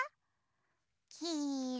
きいろ？